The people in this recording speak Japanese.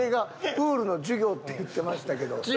プールの授業って言ってましたけど。